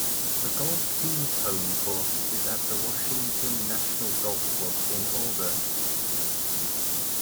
The golf team's home course is at the Washington National Golf Club in Auburn.